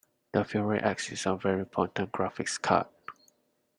The Fury X is a very potent graphics card.